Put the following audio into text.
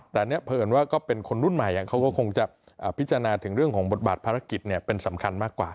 แต่เนี่ยเผอิญว่าก็เป็นคนรุ่นใหม่เขาก็คงจะพิจารณาถึงเรื่องของบทบาทภารกิจเป็นสำคัญมากกว่า